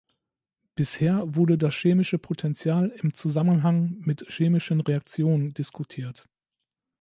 Bisher wurde das chemische Potential im Zusammenhang mit chemischen Reaktionen diskutiert.